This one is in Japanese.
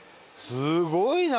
すごいな！